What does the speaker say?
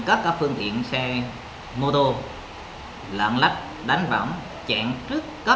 sau đó chặn các phương tiện ô tô trên tuyến quốc lộ một a đoạn qua địa bàn huyện bình sơn tỉnh quảng ngãi